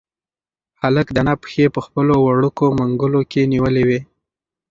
هلک د انا پښې په خپلو وړوکو منگولو کې نیولې وې.